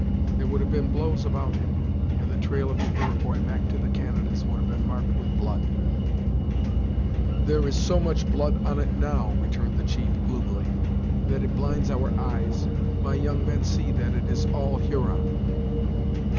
There would have been blows about him, and the trail of the Iroquois back to the Canadas would have been marked with blood." "There is so much blood on it, now," returned the chief, gloomily, "that it blinds our eyes. My young men see that it is all Huron."